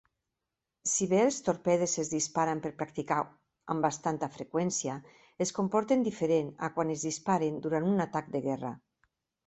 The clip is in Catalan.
Si bé els torpedes es disparen per practicar amb bastanta freqüència, es comporten diferent a quan es disparen durant un atac de guerra.